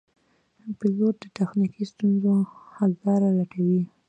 پیلوټ د تخنیکي ستونزو حل لاره لټوي.